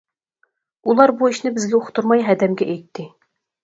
ئۇلار بۇ ئىشنى بىزگە ئۇقتۇرماي ھەدەمگە ئېيتتى.